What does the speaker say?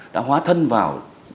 đã hóa thân vào